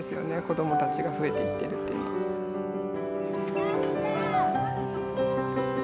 子どもたちが増えていってるというのは。